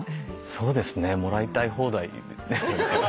そうですねもらいたい放題ですよね。